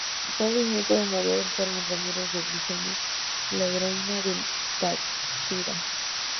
Fue bisnieto de María del Carmen Ramírez de Briceño, la heroína del Táchira.